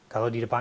kalau di depan